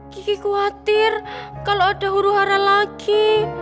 gigi khawatir kalau ada huru hara lagi